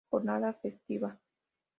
Jornada festiva.